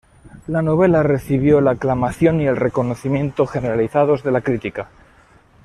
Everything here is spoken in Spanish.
La novela recibió la aclamación y el reconocimiento generalizados de la crítica.